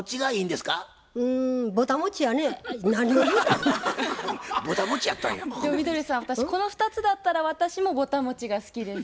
でもみどりさん私この２つだったら私もぼたもちが好きです。